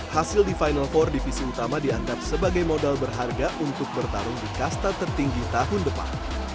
hasil di final empat divisi utama dianggap sebagai modal berharga untuk bertarung di kasta tertinggi tahun depan